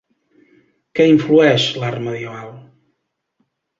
Què influeix l'art medieval?